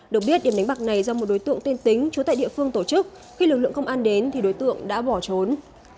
được biết điểm đánh bạc này do một đối tượng tên tính trú tại địa phương tổ chức khi lực lượng không an đến đối tượng đã bỏ trốn